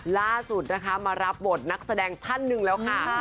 ล่าสุดนะคะมารับบทนักแสดงท่านหนึ่งแล้วค่ะ